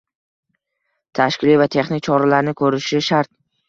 tashkiliy va texnik choralarni ko‘rishi shart.